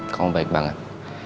kamu baik banget